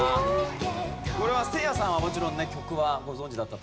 これはせいやさんはもちろんね曲はご存じだったと思いますが。